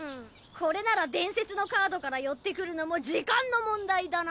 これなら伝説のカードから寄ってくるのも時間の問題だな！